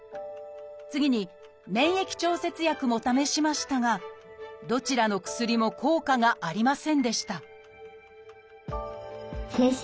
次に免疫調節薬も試しましたがどちらの薬も効果がありませんでした